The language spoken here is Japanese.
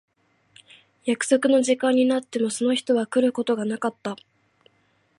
約束の時間になってもその人は来ることがなかった。